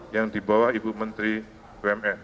yang dibawa ibu menteri bumn